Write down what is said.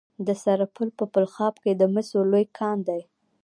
د سرپل په بلخاب کې د مسو لوی کان دی.